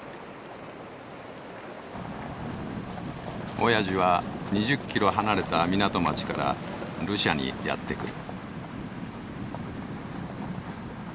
おやじは２０キロ離れた港町からルシャにやって来る。